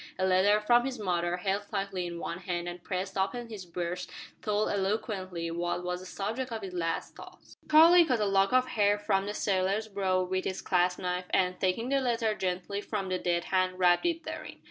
A letter from his mother, held tightly in one hand and pressed upon his breast told eloquently what was the subject of his last thoughts. Charlie cut a lock of hair from the sailor's brow with his clasp knife, and, taking the letter gently from the dead hand, wrapped it therein.